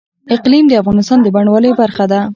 اقلیم د افغانستان د بڼوالۍ برخه ده.